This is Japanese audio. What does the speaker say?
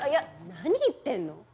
何言ってんの！